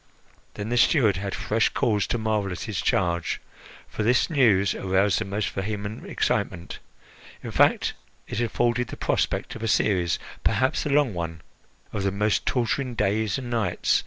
Then the steward had fresh cause to marvel at his charge, for this news aroused the most vehement excitement. In fact, it afforded the prospect of a series perhaps a long one of the most torturing days and nights.